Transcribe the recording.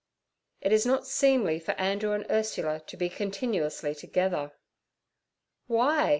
'It is not seemly for Andrew and Ursula to be continuously together.' 'Why?'